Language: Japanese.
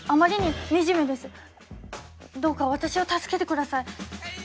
どうか私を助けて下さい。